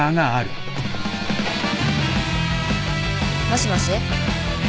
もしもし？